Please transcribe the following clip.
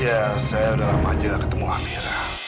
ya saya udah lama aja gak ketemu aminah